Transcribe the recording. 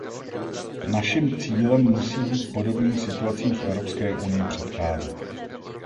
Našim cílem musí být podobným situacím v Evropské unii předcházet.